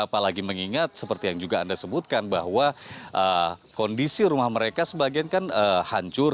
apalagi mengingat seperti yang juga anda sebutkan bahwa kondisi rumah mereka sebagian kan hancur